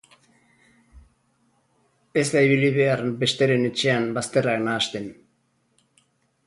Ez da ibili behar besteren etxean bazterrak nahasten!